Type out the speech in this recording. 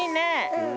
うん。